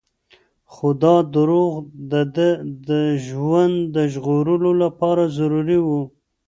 خو دا دروغ د ده د ژوند د ژغورلو لپاره ضروري وو.